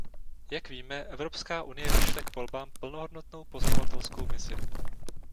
Jak víme, Evropská unie vyšle k volbám plnohodnotnou pozorovatelskou misi.